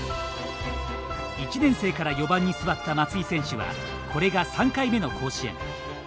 １年生から４番に座った松井選手はこれが３回目の甲子園。